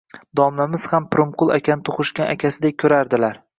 Domlamiz ham Pirimqul akani tug`ishgan akasidek ko`rardilar